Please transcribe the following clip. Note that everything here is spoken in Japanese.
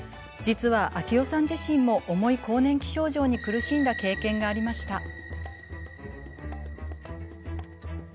実は、玲代さん自身も重い更年期症状に苦しんだ経験がありました。